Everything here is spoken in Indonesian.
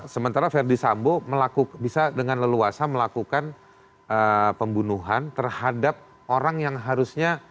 sementara verdi sambo melakukan bisa dengan leluasa melakukan pembunuhan terhadap orang yang harusnya